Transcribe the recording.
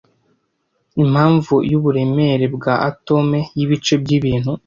Impamvu yuburemere bwa atome yibice byibintu